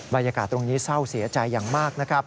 บรรยากาศตรงนี้เศร้าเสียใจอย่างมากนะครับ